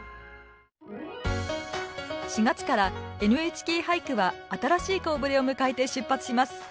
４月から「ＮＨＫ俳句」は新しい顔ぶれを迎えて出発します。